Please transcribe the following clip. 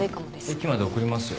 駅まで送りますよ。